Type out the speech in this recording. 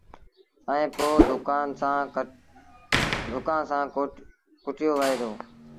ائيٚݩ پو ڌوڪآݩ سآݩ ڪُٽيو وهي دو۔